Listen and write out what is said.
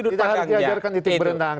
tidak harus diajarkan di tipe berenang